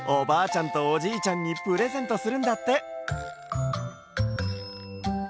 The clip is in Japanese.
ちゃんとおじいちゃんにプレゼントするんだって。